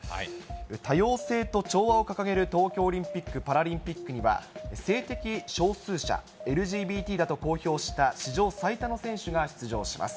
多様性と調和を掲げる東京オリンピック・パラリンピックには、性的少数者、ＬＧＢＴだと公表した史上最多の選手が出場します。